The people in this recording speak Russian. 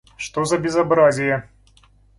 Что за безобразие!